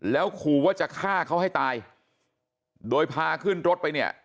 แล้วขู่ว่าจะฆ่าเขาให้ตายโดยพาขึ้นรถไปเนี่ย